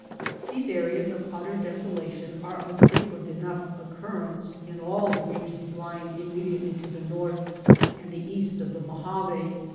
These areas of utter desolation are of frequent enough occurrence in all the regions lying immediately to the north and the east of the Mojave to re The Grand Canyon country.